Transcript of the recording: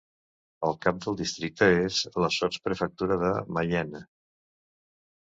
El cap del districte és la sotsprefectura de Mayenne.